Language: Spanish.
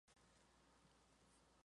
La cabeza es distintiva al cuello.